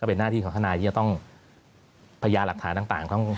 เป็นหน้าที่ของทนายที่จะต้องพยาหลักฐานต่าง